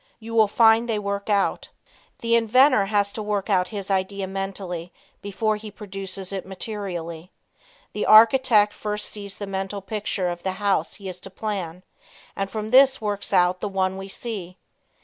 You will find they will work out. The inventor has to work out his idea mentally before he produces it materially. The architect first sees the mental picture of the house he is to plan and from this works out the one we see.